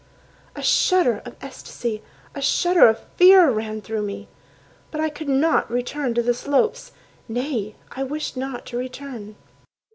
A shudder of ecstasy, a shudder of fear Ran through me. But I could not return to the slopes— Nay, I wished not to return.